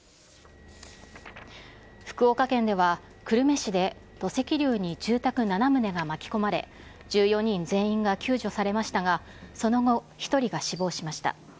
福岡県では、久留米市で土石流に住宅７棟が巻き込まれ、１４人全員が救助されましたが、その後、１人が死亡しました。